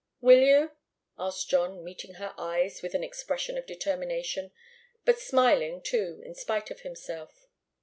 "Will you?" asked John, meeting her eyes with an expression of determination, but smiling, too, in spite of himself.